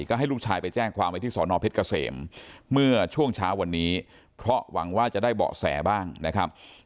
ก็ให้ลูกชายไปแจ้งความไว้ที่สอนอเพชรเกษมเมื่อช่วงเช้าวันนี้เพราะหวังว่าจะได้เบาะแสบ้างนะครับ